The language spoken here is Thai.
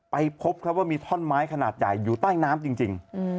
พบครับว่ามีท่อนไม้ขนาดใหญ่อยู่ใต้น้ำจริง